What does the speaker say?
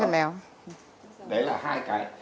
đấy là hai cái